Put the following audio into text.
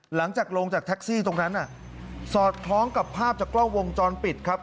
หลังจากลงจากแท็กซี่ตรงนั้นสอดคล้องกับภาพจากกล้องวงจรปิดครับ